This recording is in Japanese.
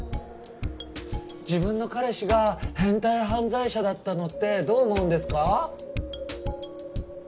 自分の彼氏が変態犯罪者だったのってどう思うんですか？